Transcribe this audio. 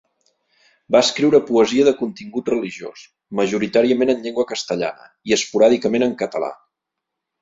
Va escriure poesia de contingut religiós, majoritàriament en llengua castellana, i esporàdicament en català.